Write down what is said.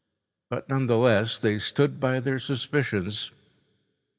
But nonetheless they stood by their suspicions.